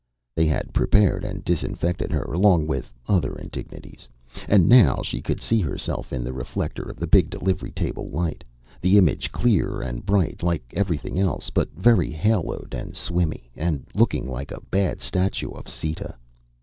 They had prepared and disinfected her, along with other indignities, and now she could see herself in the reflector of the big delivery table light the image clear and bright, like everything else, but very haloed and swimmy, and looking like a bad statue of Sita.